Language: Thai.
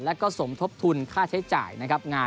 แล้วก็สมทบทุนค่าใช้จ่ายนะครับ